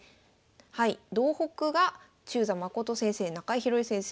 はい道北が中座真先生中井広恵先生